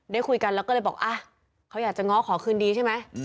ได้คุยกันแล้วก็เลยบอกเขาอยากจะง้อขอคืนดีใช่ไหม